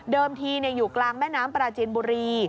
เดิมทีอยู่กลางแม่น้ำพระราชินบูรี